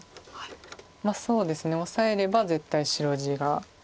そうですねオサえれば絶対白地が。